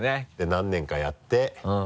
何年かやって。